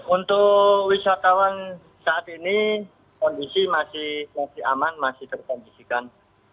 untuk wisatawan saat ini kondisi masih aman masih terkondisikan